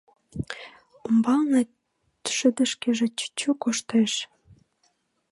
Умбалне шыдешкыше чӱчӱ коштеш.